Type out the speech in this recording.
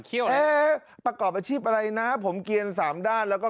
เขี้ยวน่ะเอ๊ะประกอบอาชีพอะไรนะครับผมเกลียนสามด้านแล้วก็